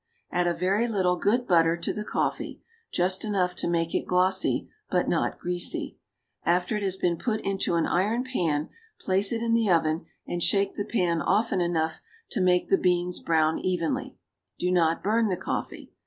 Add a very little good butter to the coffee, just enough to make it glossy, but not greasy; after it has been put into an iron pan, place it in the oven, and shake the pan often enough to make the beans brown evenly; do not burn the coffee.